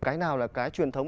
cái nào là cái truyền thống